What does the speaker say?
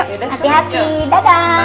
hati hati dadah assalamu'alaikum